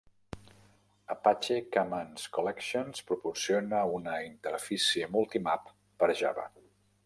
"Apache Commons Collections" proporciona una interfície MultiMap per Java.